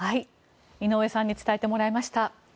井上さんに伝えてもらいました。